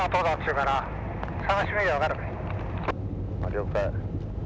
了解。